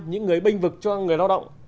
những người binh vực cho người lao động